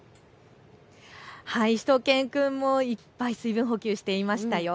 しゅと犬くんもいっぱい水分補給していましたよ。